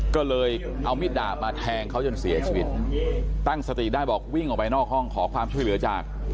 ก็เลยเอามิดดาบมาแทงเขาจนเสียชีวิตตั้งสติได้บอกวิ่งออกไปนอกห้องขอความช่วยเหลือจาก